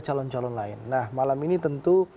calon calon lain nah malam ini tentu